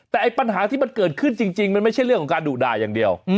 แต่ไอ้ปัญหาที่มันเกิดขึ้นจริงมันไม่ใช่เรื่องของการดุด่าอย่างเดียว